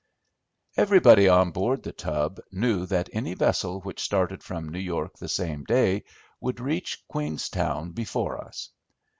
Everybody on board The Tub knew that any vessel which started from New York the same day would reach Queenstown before us.